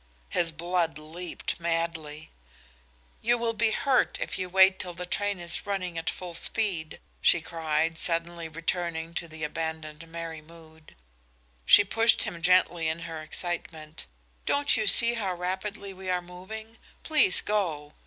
His blood leaped madly. "You will be hurt if you wait till the train is running at full speed," she cried, suddenly returning to the abandoned merry mood. She pushed him gently in her excitement. "Don't you see how rapidly we are moving? Please go!"